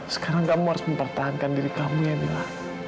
sekarang kamu harus mempertahankan diri kamu yang mila